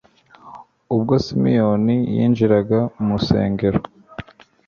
Ubwo Simeyoni yinjiraga mu rusengero,